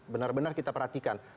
benar benar kita perhatikan